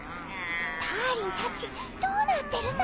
ダーリンたちどうなってるさ？